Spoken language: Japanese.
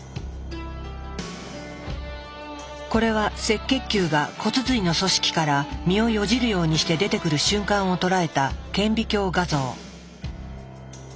これは赤血球が骨髄の組織から身をよじるようにして出てくる瞬間を捉えた顕微鏡画像。